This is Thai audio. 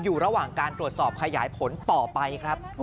อยู่ระหว่างการตรวจสอบขยายผลต่อไปครับ